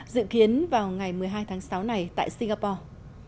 dự kiến vào ngày một mươi hai tháng sáu này tại singapore